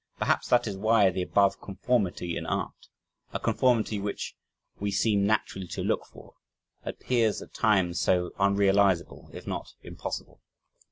Perhaps this is why the above conformity in art (a conformity which we seem naturally to look for) appears at times so unrealizable, if not impossible.